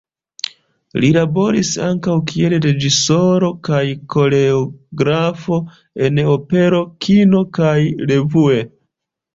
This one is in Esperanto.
Li laboris ankaŭ kiel reĝisoro kaj koreografo en opero, kino kaj "revue".